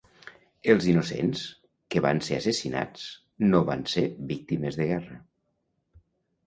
Els innocents que van ser assassinats... no van ser víctimes de guerra.